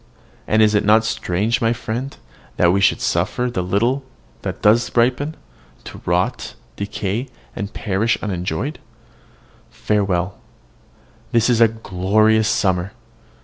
and is it not strange, my friend, that we should suffer the little that does really ripen, to rot, decay, and perish unenjoyed? Farewell! This is a glorious summer.